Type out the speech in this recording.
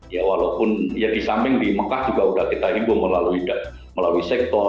ya walaupun ya di samping di mekah juga sudah kita himpun melalui sektor